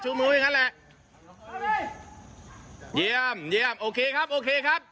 มืออย่างงั้นแหละเยี่ยมเยี่ยมโอเคครับโอเคครับ